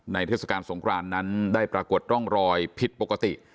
เทศกาลสงครานนั้นได้ปรากฏร่องรอยผิดปกติ